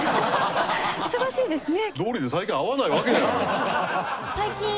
忙しいんですね。